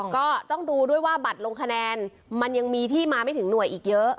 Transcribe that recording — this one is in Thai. ก็ต้องดูด้วยว่าบัตรลงคะแนนมันยังมีที่มาไม่ถึงหน่วยอีกเยอะ